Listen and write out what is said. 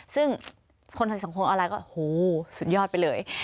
ซึ่งคนในสังคมออนไลน์ก็โหสุดยอดไปเลย